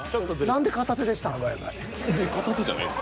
何で片手でしたん？